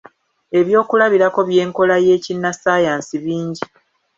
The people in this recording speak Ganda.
Eby'okulabirako by’enkola y’ekinnassaayansi bingi.